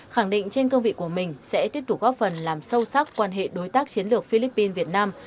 khẳng định trên cương vị của mình sẽ tiếp tục góp phần làm sâu sắc quan hệ đối tác chiến lược philippines việt nam